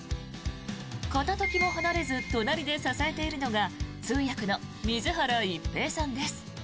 片時も離れず隣で支えているのが通訳の水原一平さんです。